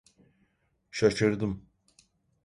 Şaşırdım.